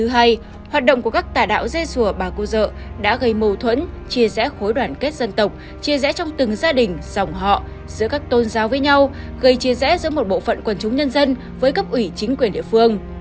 các đối tượng cầm đầu các tài đạo dê sùa bà cô dở đã gây mâu thuẫn chia rẽ khối đoàn kết dân tộc chia rẽ trong từng gia đình dòng họ giữa các tôn giáo với nhau gây chia rẽ giữa một bộ phận quần chúng nhân dân với cấp ủy chính quyền địa phương